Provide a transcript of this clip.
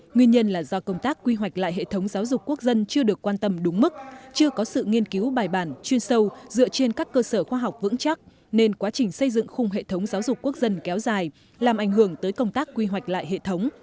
nguyên nhân là do công tác quy hoạch lại hệ thống giáo dục quốc dân chưa được quan tâm đúng mức chưa có sự nghiên cứu bài bản chuyên sâu dựa trên các cơ sở khoa học vững chắc nên quá trình xây dựng khung hệ thống giáo dục quốc dân kéo dài làm ảnh hưởng tới công tác quy hoạch lại hệ thống